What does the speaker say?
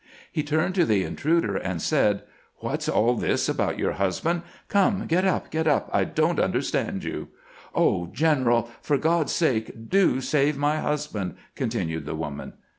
He turned to the intruder, and said; " What 's aU this about your husband ? Come, get up, get up ! I don't understand you." " Oh, general, for God's sake, do save my husband !" continued the woman.